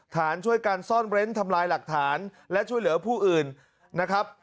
ฐานช่วยการซ่อนเร้นทำลายหลักฐานและช่วยเหลือผู้อื่นนะครับ